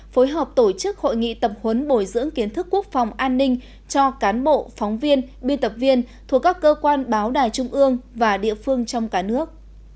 phối hợp tổ chức hội nghị tập huấn bồi dưỡng kiến thức quốc phòng an ninh cho cán bộ phóng viên biên tập viên thuộc các cơ quan báo đài trung ương và địa phương trong cả nước